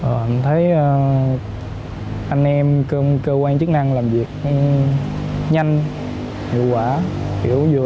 em thấy anh em cơ quan chức năng làm việc nhanh hiệu quả